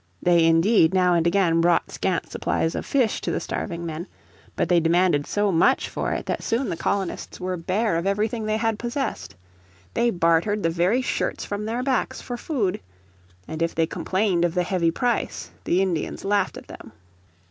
They indeed now and again brought scant supplies of fish to the starving men. But they demanded so much for it that soon the colonists were bare of everything they had possessed. They bartered the very shirts from their backs for food. And if they complained of the heavy price the Indians laughed at them.